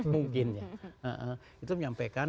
mungkin ya itu menyampaikan